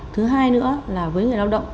thứ hai nữa là với người lao động